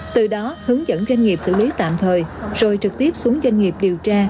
từ đó hướng dẫn doanh nghiệp xử lý tạm thời rồi trực tiếp xuống doanh nghiệp điều tra